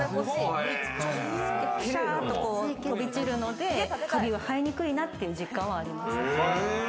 飛び散るのでカビが生えにくいなっていう実感はあります。